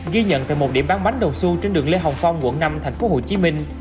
ghi nhận tại một điểm bán bánh đồng xu trên đường lê hồng phong quận năm thành phố hồ chí minh